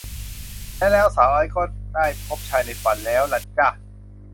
และแล้วสาวไอซ์ก็ได้พบชายในฝันแล้วล่ะจ้ะ